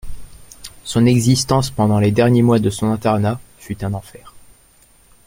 Son existence, pendant les derniers mois de son internat, fut un enfer.